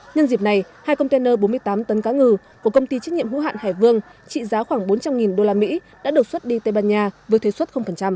nhân dịp này hai container bốn mươi tám tấn cá ngừ của công ty trách nhiệm hữu hạn hải vương trị giá khoảng bốn trăm linh usd đã được xuất đi tây ban nha với thuế xuất